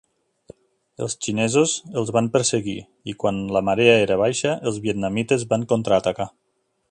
Els xinesos els van perseguir, i quan la marea era baixa, els vietnamites van contraatacar.